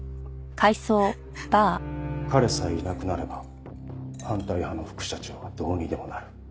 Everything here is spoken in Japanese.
彼さえいなくなれば反対派の副社長はどうにでもなる。